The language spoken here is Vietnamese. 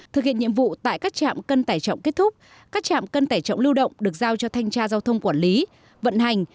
thực hiện nhiệm vụ tại các trạm cân tải trọng kết thúc các trạm cân tải trọng lưu động được giao cho thanh tra giao thông quản lý vận hành